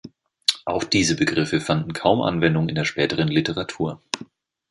Auch diese Begriffe fanden kaum Anwendung in der späteren Literatur.